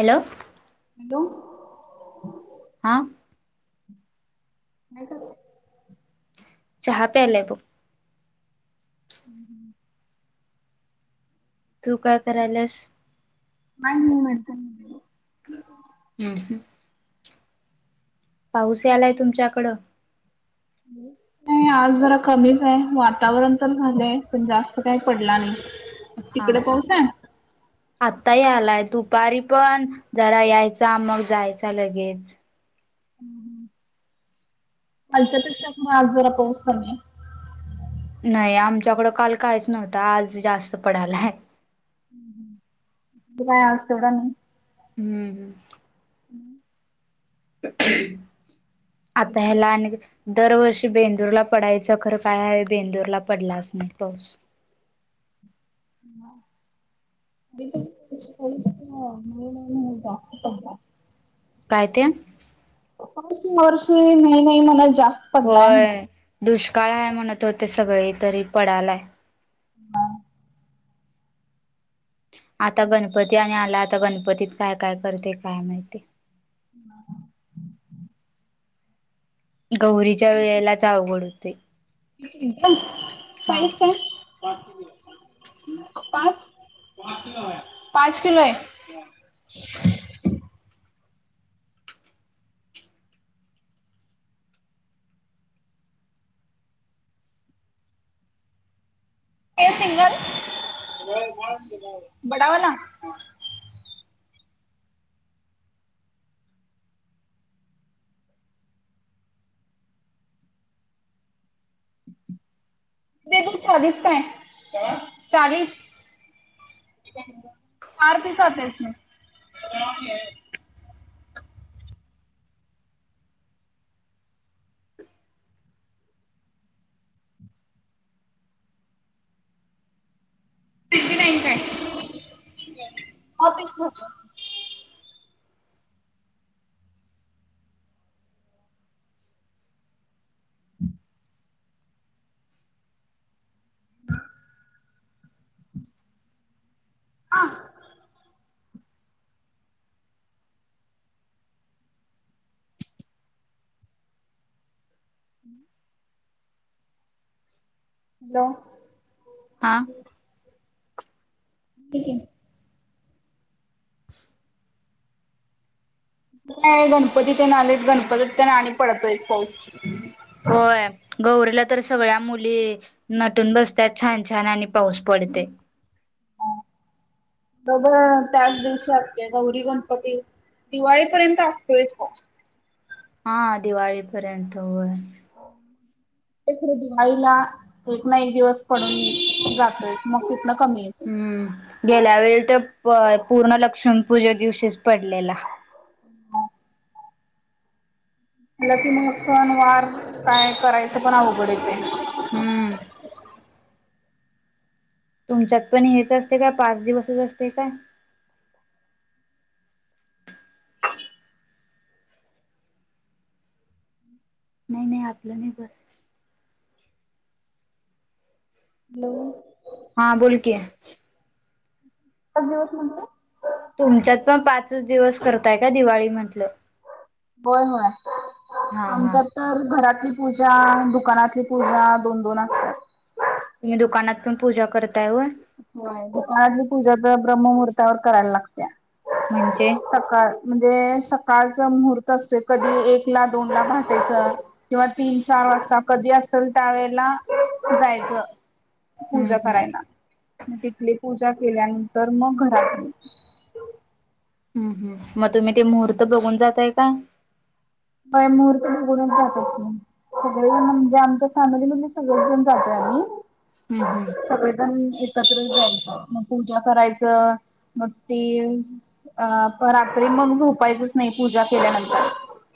Hello. Hello. हा. [unintelligible] चहा पायलाय तो. हम्म ह् [inaudible] तू काय करायलास? नाही मी म्हणते हम्म. पाऊस यालाय तुमच्याकडं? हम् नाही आज जरा कमीच आहे. वातावरण तर झालंय, पण जास्त काही पडला नाही. हा तिकडे हा, पाऊस आहे? आताही आलाय. दुपारी पण जरा यायचा, मग जायचा, लगेच. कालच्यापेक्षा आज जरा पाऊस कमी आहे. नाही, आमच्याकडं काल काहीच नव्हतं. आज जास्त पडायला हाय. ह ह ते काय अस्त का नाई हम्म हम्म आता इकडे पण ह्याला आणिक दरवर्षी बेंड - [unintelligible] पडायचं खरं काय बेंदूरला पडलाच नाही पाऊस [unintelligible] [unintelligible] काय ते पाच वर्ष नाही नाही म्हणायचे होय दुष्काळ आहे म्हणत होते सगळे तरी पडायलाय हा आता गणपती आणि आला आता गणपतीत काय काय करते काय माहिती [inaudible] गौरीच्या वेळेलाच आवघड होते. [unintelligible] पैसा [unintelligible] पाच पाच किलो आहे. हे सिंगल बडावाला. दे त चावीस काय चाळीस. [unintelligible] [inaudible] [inaudible] [inaudible] हा. [inaudible] हॅलो! हा. [inaudible] [inaudible] नाही गणपती ते नालेच गणपतीत ना आणि पडतोयच पाऊस. होय गौरीला तर सगळ्या मुली नटून बसतात छान छान आणि पाऊस पडतय बघ त्याच दिवशी असतय गौरी गणपती दिवाळीपर्यंत असतोयच पाऊस हा दिवाळी पर्यंत होय. [inaudible] ते खर दिवाळीला एक ना एक दिवस पडून जातोय मग तिथन हम्म गेल्या वेळी तर प पूर्ण लक्ष्मी पूजे दिवशीच. पडलेला. मला ती मकण सण वार काय करायचं पण अवघड येतय हम्म. तुमच्यात पण हेच असते का पाच दिवसच असतय काय नाही नाही आपलं नाही बस. हॅलो! हा बोलकी. पाच दिवस म्हटले तुमच्यात पण पाचच दिवस करताय का दिवाळी म्हटलं. बर होय हा. आमच्या तर घरात ली पूजा दुकानातली पूजा दोन दोन असत्यात तुम्ही दुकानात पण पूजा करताय व्हय होच [unintelligible] पूजा तर ब्रह्ममुहूर्तावर करायला लागत्या म्हणजे. सकाळ म्हणजे सकाळच मुूर्त असत कधी एक दोन ला भटायच किंवा तीन च. वाजता कधी असेल त्यावेेळेला जायचं हम्म पूजा हम्म. करायला. म तिथली पूजा केल्यानंतर मग घरातली. ह मग तुम्ही ते मुहूर्त बघून जातय का ब महूर्त बघडून जातात. सगळे म्हणजे आमच्या फॅमिली म्हण सगळेजऊन जातो आम्ही. हम्म हम्म सगळेजण एकत्र जायचं मग पूजा करायचं. मग ते अ रात्री मग झोपायचच नाही पूजा केल्यानंतर.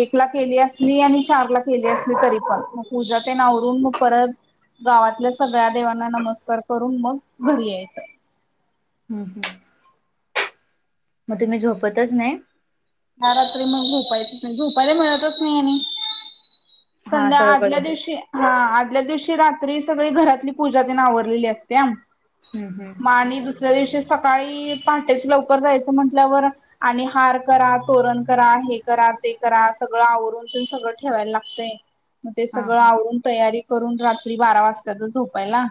एक ला केली असली आणि चार ला केली असली तरी पण मग प उूजा ते नावरून मग परत. गावातल्या सगळ्या देवांना नमस्कार करून मग घरी यायचं. हम्म हम्. मग तुम्ही झोपतच नाही. या रात्री मग झोपायचच झोपायला मिळतच नाही आणि हा संध्या सगळं आदल्या गडबड दिवशी हा आपल्या दिवशी रात्री सगळी घरातली पूजा तेन आवरलेली असत्या हम्म हम्म मा आणि दुसऱ्या दिवशी सकाळी पहाटेच लवकर जायचं म्हटल्यावर आणि हार करा तोरण करा हे करा. ते करा सगळं आवरून तन सगळं ठेवायला लागतंय मग ते हा सगळं हा आवरून तयारी करून रात्री बारा वाजत्यातच झोपायला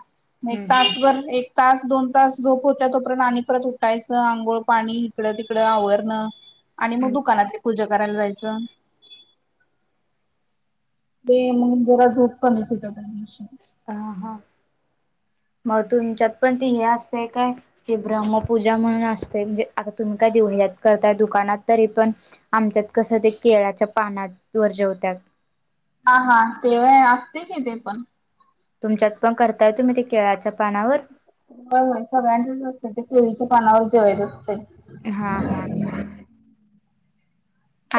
म हम्म हम्म तासभर एक तास दोन तास झोप होत तोपर्यंत आणि परत उठायचं आंघोळ पाणी इिकडं तिकडं आवरणं आणि मग हम्म दुकानातली पूजा करायला जायचं ते म्हण जरा धूप कमी त ह हा मग तुमच्यात पण त हे असते काय की ब्रह्मपूजा म्हणून असते म्हणजे आता तुम्ही काय दिऊय दुकानात तरी पण आमच्यात कस ते केळच्या पाना वजेवतात हा हा तेव्हा असते कि ते पण तुमच्यात पण करताय तुम्ही ते केळाच्या पानावर होय होय सगळ्यांच्या असते ते केळीच्या पानावर जेवायेत असते हा हा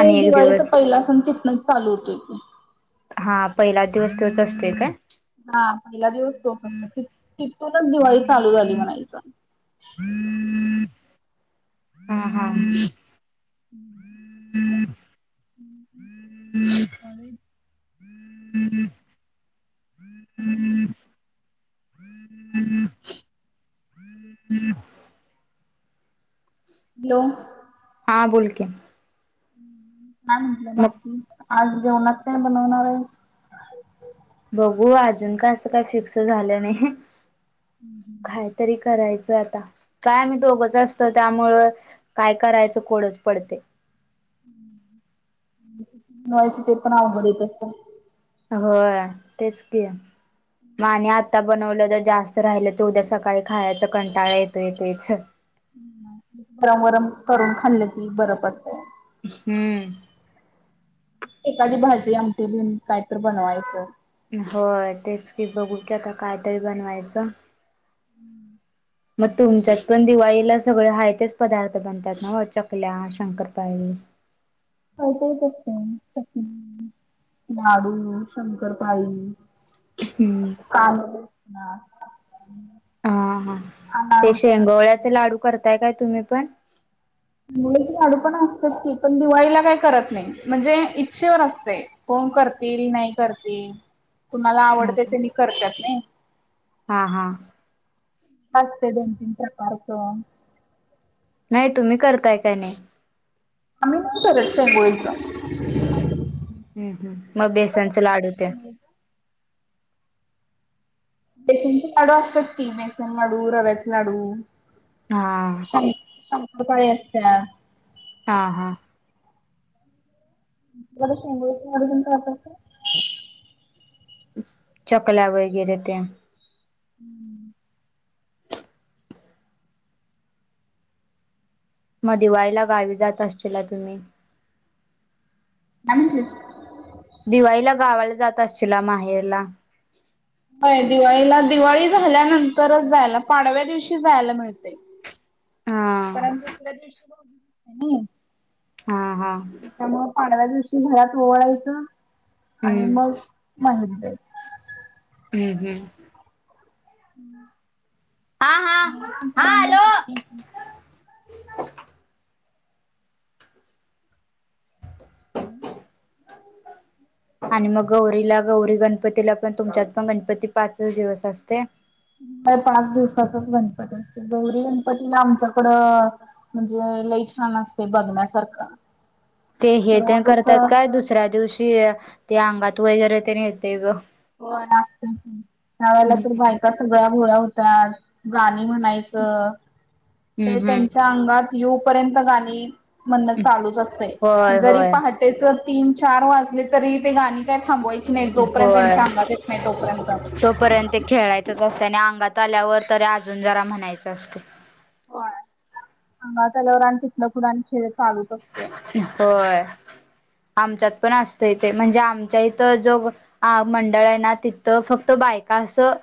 आणि एक दिवाळीचा दिवस पहिला सण तिथनच चालू होतोय त हा पहिलाच दिवस तेच असतय काय हा पहिला दिवस तोच असत तिथूनच दिवाळी चालू झाली म्हणायचं हम्म [inaudible] हा हा ह हम्म मर हम्म हॅलो हां बोलक काय म्हटलं बाकी आज जेवणचतय बनवणारे बघू अजून का असं काही फिक्स झालं नाही कायतरी करायचं आता काय मी दोघंच असत त्यामुळं काय करायचं कोडच पडते ते बनाव बडे बत हो तेच क म आणि आता बनवलं जर जास्त राहिलं तर उद्या सकाळी खायचा कंटाळा येतो य तेच गरम गरम करून खाल्ली ती बरं पड हम्म एखादी भाजी आमटी बि काय तर बनवायचं होय तेच की बघू की आता कायतरी बनवायचं हम्म. मग तुमच्यात पण दिवाळीला सगळे हाय तेच पदार्थ बनतात ना चकल्या, शंकरपाळी, [inaudible] काय काय करता मग चकली, लाडू, शंकरपाळी, हम्म का [unintelligible] हा हा ते अनारस शेंगोळ्याचे लाडू करताय काय तुम्ही पण? मुळेत चे लाडू पण असतात की पण दिवाळीला काही करत नाही म्हणजे इच्छेवर असते. कोण करतील नाही करतील कुणाला हा आवडते ते मी करतात नाही. हा हा. असते दोन तीन प्रकारच नाही तुम्ही करताय काय नाही आम्ही रक्षा आहे गोयच हम्म हम् मग बेसनचे लाडू ते शेंगोळीचं बेसनचे लाडू असतात की बेसन लाडू रव्याचे लाडू हा पाळी असतेन. हा हा. बर शंकरपाळे पण करतात का? चकल्या वगैरे त्या. हम्म. मग दिवाळीला गावी जात असतील ना तुम्ही. नाही की दिवाळीला गावाला जात असशीला माहेरला? होय दिवाळीला दिवाळी झाल्यानंतरच जायला पाडव्या दिवशी जायला मिळते. हा परंतु सुधव सुर हा हा त्यामुळ पाडव्या दिवशी घरात ओळायचं. आणि हम्म मग माहीत. हम्म हम्म. हा हा म हा हॅलो काते. [unintelligible] हम् [inaudible] आणि मग गौरीला गौरी गणपतीला पण तुमच्यात पण गणपती पाच दिवस असते. पाच दिवसाचाच गणपती असते गौरी गणपतीला आमच्याकडं म्हणजे. लई छान असते बघण्यासारखं ते हे ते रोज करतात असं काय दुसऱ्या दिवशी ते अंगात वगैरे ते येते. होय नागपंचमी त्या वेेळेला तर हम्म बायका सगळ्या गोळ्या होत त्यात गाणी म्हणायचं ते हम्म त्यांच्या हम्म अंगात येऊपर्यंत गाणी म्हणणं चालूच असते होय जरी होय पहाटेच तीन चार वाजले तरी ते गाणी काय थांबवायची नाही जोपर्यंत होय त्यांच्या अंगात येत नाही तोपर्यंत. तोपर्यंत खेळायचच असत आणि अंगात आल्यावर तरी अजून जरा म्हणायच असते. अंगात आल्यावर आणि तितलंकूण खेळ चालूच असतोय. होय. आमच्यात पण असतं इथे म्हणजे आमच्या इथं जो मंडळ आहे ना तिथं फक्त बायक कासं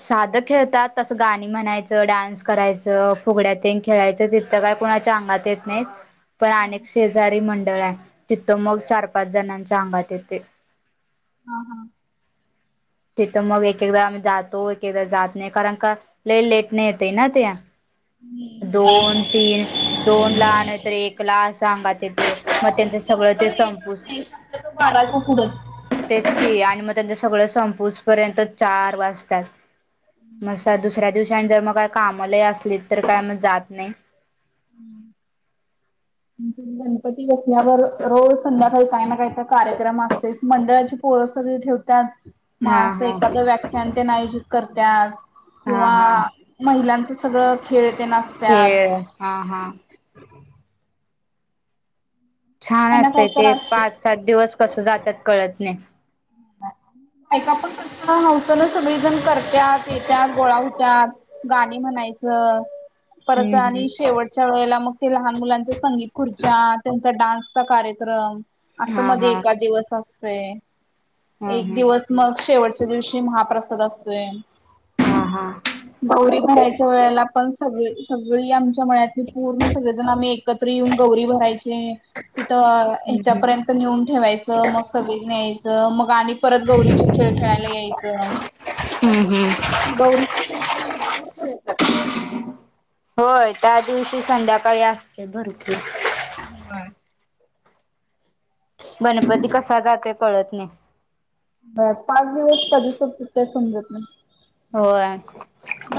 साध खेळतात तसं गाणी म्हणायचं डान्स करायचं फुगड्यात खेळायचं तिथं कोणाच्या अंगात येत नाही. पण अनेक शेजारी मंडळ आहे तिथं मग चार, पाच जणांच्या अंगात येते. हा हा. तिथं मग एक एकदा आम्ही जातो एक एकदा जात नाही कारण का लय लेट नाही येते ना त्या. हम् दोन तीन दोन ला नतर एकला स सांगाथ मग त्यांचं सगळं समपूस [inaudible] ारा [inaudible] तेच क आणि मग त्यांचं सगळं ऊसपर्यंत चार वाजतात म दुसऱ्या दिवस जर मग का कामाला असली तर काय मग जात नाही. हम्म म्हण गणपती बसण्यावर रोज संध्याकाळी काही ना काही कार्यक्रम असते मंडळाची, रस ठेवतात मा हा असं हा एखाद व्याख्यान त्यां आयोजित करतात. हा किंवा हा महिलांचं सगळं खेळ ते खेळ नासत्यात. हा हा ह [inaudible] छान काही ना काही असतय तर ते असतंय पाच, सात दिवस कसं जातात कळत नाही. ह [inaudible] ऐका पण क [unintelligible] ना सगळेजण करत्या येत्या गोळा होत गाणी म्हणाय च परत हम्म आणि हम्म शेवटच्या वेळेला मग ते लहान मुलांच्या संगीत खुर्च्या त्यांचा डान्स आचा कार्यक्रम आता हा मध्ये हा एका दिवस असते. हा एक हा दिवस मग शेवटच्या दिवशी महाप्रसाद असतोय. हा हा गौरी भरायच्या वेळेला पण सगळी सगळी आमची एकत्र ये ग भ हम्म हम्म तथर् [inaudible] नेऊन ठेवायचं मग कधीच नाही्यायच [inaudible] तर मग आणि परत गौरीचे खेळ खेळायला यायचं. हम् हम गौरी पण भरपूर प होय त्या दिवशी संध्याकाळी असते भरपूर हो गणपती कसा जाते कळत नाही. पाच दिवस कधी संपतात समजत नाही. होय.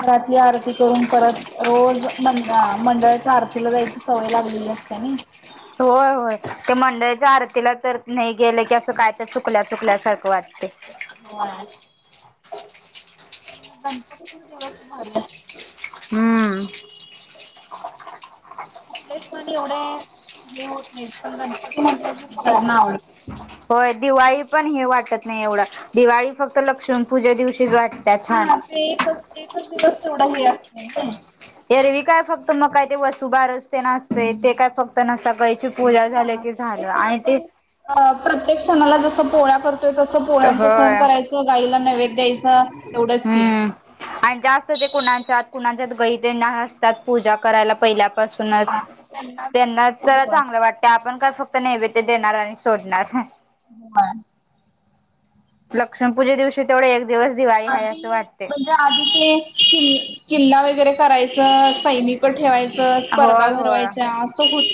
घरातली आरती करून परत रोज मं मंडळाच्या आरतीला जायची सवय लागलेली असते ना, होय होय ते मंडळीच्या आरतीला तर नाही गेलं की असं काय तर चुकल्या चुकल्यासारखं वाटतेय. होय. गणपतीत दिवस मारत हम्म आपठलेच पण एवढे हे होत नाही पण गणपतीलेना आवडते. [inaudible] होय दिवाळी पण हे वाटत नाही एवढा दिवाळी फक्त लक्ष्मण पूजे दिवशी शि वाट त्या्या छान हा ते एकच [inaudible] एकच दिवस तेवढा हे अस नाही. एरवी काय फक्त मग काय ते वसुबरस ते असते नसते ते काय फक्त नसत कची [inaudible] पूजा झाल्या हा क ते झालं काय आणि ते आपण अ प्रत्येक शनणाला जसं पोळ्या करतोय तसं पोळ्यांच सहण होय करायचं गाईला नैवेद द्यायचं. हम्म आणि जास्त ते कणा सात कुणाच्या गैईन तेन असतात पूजा करायला पहिल्या ून त्यांनाच त्यांना जरा होय. चांगलं वाटत आपण काय फक्त नैवेद देणार आणि सोडणार. हा लक्ष्मी पूजे दिवशी तेवढ आधी म्हणजे आधी ते किल् किल्ला वगैरे करायच, सैनिक ठेवायचं स्पर्धा होय होय भरवायच्या असु